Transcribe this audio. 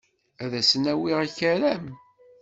Ad asen-awiɣ akaram.